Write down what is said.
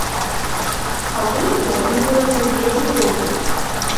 А ў выніку атрымліваецца вельмі добра!